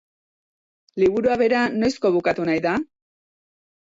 Liburua bera noizko bukatu nahi da?